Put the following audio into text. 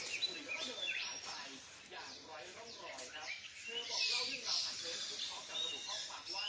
อย่างไว้ต้องก่อยครับเพื่อบอกเล่าที่เราหันเต้นทุกของจากระดูกห้องฝั่งว่า